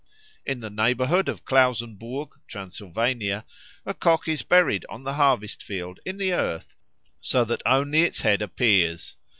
In the neighbourhood of Klausenburg, Transylvania, a cock is buried on the harvest field in the earth, so that only its head appears.